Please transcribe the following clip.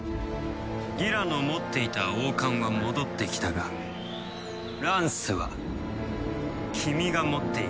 ギラの持っていた王冠は戻ってきたがランスは君が持っているはずだ。